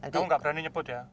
kamu gak berani nyebut ya